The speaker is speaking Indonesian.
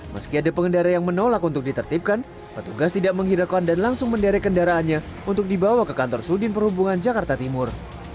meski ada pengendara yang menolak untuk ditertipkan petugas tidak menghirakan dan langsung menderek kendaraannya untuk dibawa ke kantor sudin perhubungan jakarta timur